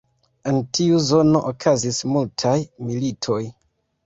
En tiu zono okazis multaj militoj.